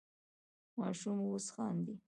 ماشوم اوس خاندي.